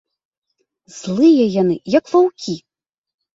Злыя яны, як ваўкі.